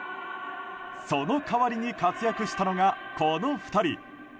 その代わりに活躍したのがこの２人。